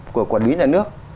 của quản lý nhà nước